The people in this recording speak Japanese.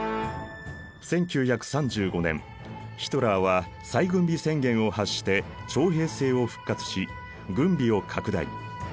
１９３５年ヒトラーは再軍備宣言を発して徴兵制を復活し軍備を拡大。